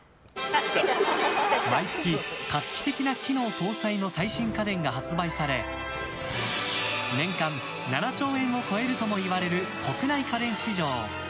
毎月、画期的な機能搭載の最新家電が発売され年間７兆円を超えるともいわれる国内家電市場。